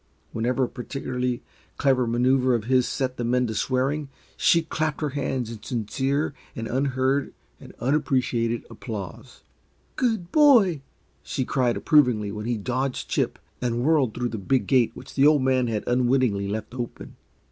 Whenever a particularly clever maneuver of his set the men to swearing, she clapped her hands in sincere, though unheard and unappreciated, applause. "Good boy!" she cried, approvingly, when he dodged Chip and whirled through the big gate which the Old Man had unwittingly left open.